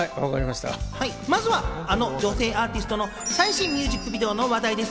まずはの女性アーティストの最新ミュージックビデオの話題です。